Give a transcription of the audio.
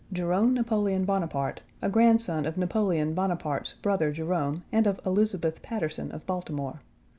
Jerome Napoleon Bonaparte, a grandson of Napoleon Bonaparte's brother Jerome and of Elizabeth Patterson of Baltimore.